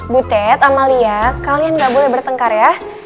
butet amalia kalian nggak boleh bertengkar ya